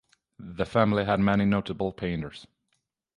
The family had many notable painters.